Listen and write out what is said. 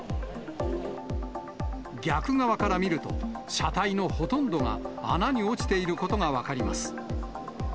逆側から見ると、車体のほとんどが穴に落ちていることが分かります。